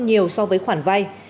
nhiều so với khoản vay